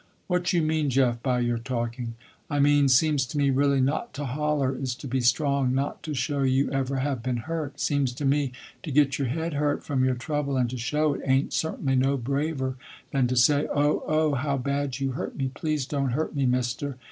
"What you mean Jeff by your talking." "I mean, seems to me really not to holler, is to be strong not to show you ever have been hurt. Seems to me, to get your head hurt from your trouble and to show it, ain't certainly no braver than to say, oh, oh, how bad you hurt me, please don't hurt me mister.